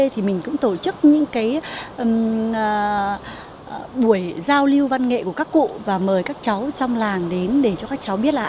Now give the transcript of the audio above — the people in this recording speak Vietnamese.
thì mình cũng tổ chức những cái buổi giao lưu văn nghệ của các cụ và mời các cháu trong làng đến để cho các cháu biết là